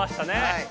はい。